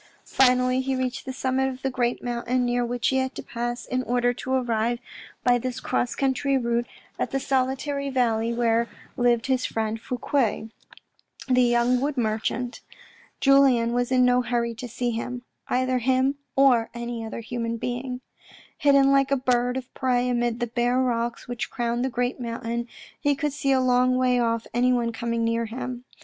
Finally, he reached the summit of the great mountain, near which he had to pass in order to arrive by this cross country route at the solitary valley where lived his friend Fouque, the young wood merchant. Julien was in no hurry to see him ; either him, or any other human being. Hidden like a bird of prey amid the bare rocks which crowned the great mountain, he could see a long way off anyone coming near him.